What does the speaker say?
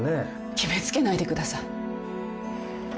決め付けないでください。